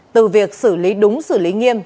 từ việc xử lý đúng xử lý nghiêm